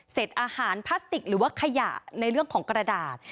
อาหารพลาสติกหรือว่าขยะในเรื่องของกระดาษ